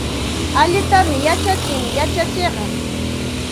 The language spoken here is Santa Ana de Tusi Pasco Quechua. Allintam yachachin yachachiqqa.